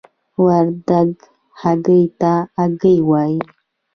وردګ هګۍ ته آګۍ وايي.